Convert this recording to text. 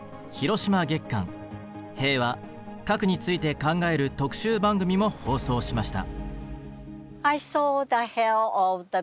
平和核について考える特集番組も放送しました。